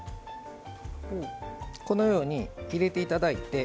このように入れていただいて。